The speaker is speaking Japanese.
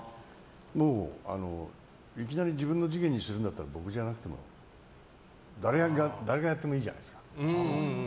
もういきなり自分の次元にするんだったら僕じゃなくても誰がやってもいいじゃないですか。